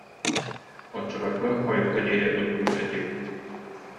Оччо- лорго хойукка диэри оттуур этибит